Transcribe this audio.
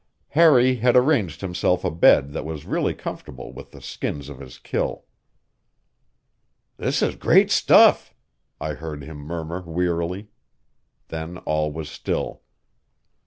Harry had arranged himself a bed that was really comfortable with the skins of his kill. "That is great stuff," I heard him murmur wearily; then all was still.